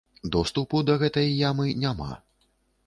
Доступу да гэтай ямы няма.